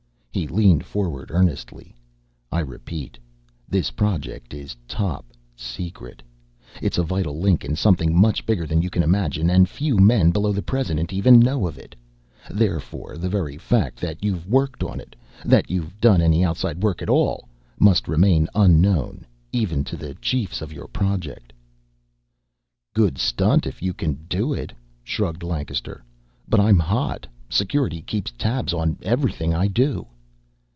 He leaned forward, earnestly. "I repeat, this project is top secret. It's a vital link in something much bigger than you can imagine, and few men below the President even know of it. Therefore, the very fact that you've worked on it that you've done any outside work at all must remain unknown, even to the chiefs of your Project." "Good stunt if you can do it," shrugged Lancaster. "But I'm hot. Security keeps tabs on everything I do."